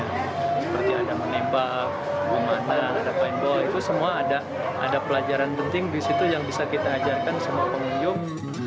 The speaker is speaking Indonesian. seperti ada menembak bermain bola itu semua ada pelajaran penting di situ yang bisa kita ajarkan semua pengunjung